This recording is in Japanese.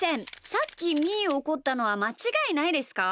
さっきみーをおこったのはまちがいないですか？